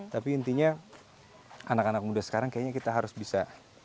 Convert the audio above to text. tapi intinya anak anak muda sekarang kayaknya kita harus bisa